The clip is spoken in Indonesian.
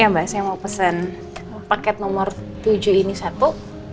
ya mbak saya mau pesan paket nomor tujuh ini satu